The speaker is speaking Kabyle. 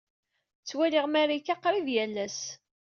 Ttwaliɣ Marika qrib yal ass.